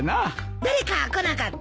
誰か来なかった？